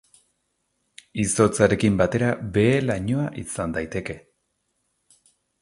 Izotzarekin batera behe-lainoa izan daiteke.